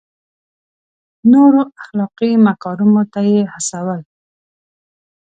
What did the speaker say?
نورو اخلاقي مکارمو ته یې هڅول.